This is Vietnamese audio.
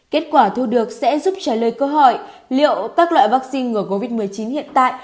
kết quả thu được sẽ giúp trả lời câu hỏi liệu các loại vaccine ngừa covid một mươi chín hiện tại